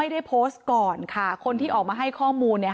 ได้โพสต์ก่อนค่ะคนที่ออกมาให้ข้อมูลเนี่ย